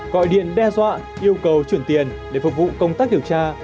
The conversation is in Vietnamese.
gọi điện đe dọa yêu cầu chuyển tiền để phục vụ công tác điều tra